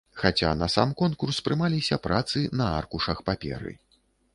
Хаця на сам конкурс прымаліся працы на аркушах паперы.